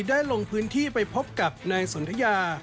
ลงพื้นที่ไปพบกับนายสนทยา